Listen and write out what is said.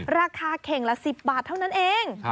ราคาเข่งละ๑๐บาทเท่านั้นเอง